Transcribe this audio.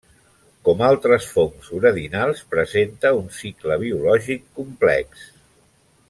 Com altres fongs Uredinals presenta un cicle biològic complex.